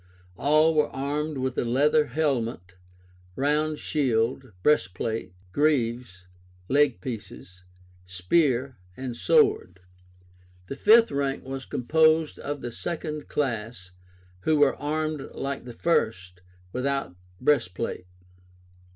All were armed with a leather helmet, round shield, breastplate, greaves (leg pieces), spear, and sword. The fifth rank was composed of the second class, who were armed like the first, without breastplate.